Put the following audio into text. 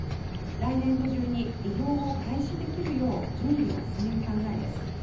来年度中に利用を開始できるように準備を進める考えです。